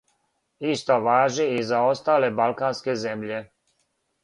Исто важи и за остале балканске земље.